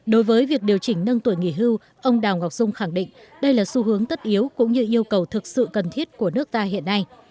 đối với việc điều chỉnh nâng tuổi nghỉ hưu ông đào ngọc dung khẳng định đây là xu hướng tất yếu cũng như yêu cầu thực sự cần thiết của nước ta hiện nay